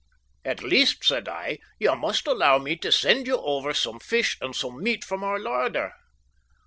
"At least," said I, "you must allow me to send you over some fish and some meat from our larder."